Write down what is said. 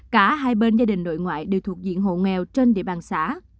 cả hai bên gia đình nội ngoại đều thuộc diện hộ nghèo trên địa bàn xã